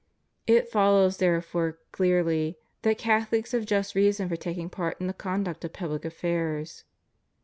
It follows therefore clearly that Catholics have just reasons for taking part in the conduct of public affairs.